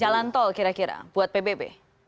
jalan tol kira kira buat pbb